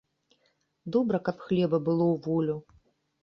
Добра, каб хлеба было ў волю.